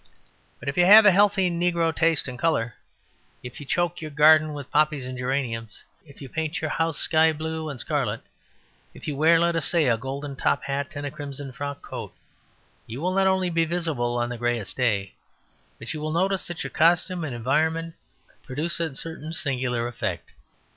But if you have a healthy negro taste in colour, if you choke your garden with poppies and geraniums, if you paint your house sky blue and scarlet, if you wear, let us say, a golden top hat and a crimson frock coat, you will not only be visible on the greyest day, but you will notice that your costume and environment produce a certain singular effect.